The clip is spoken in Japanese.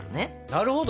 なるほど。